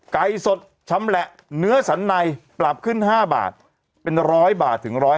ไก่สดชำแหละเนื้อสันในปรับขึ้น๕บาทเป็น๑๐๐บาทถึง๑๐๐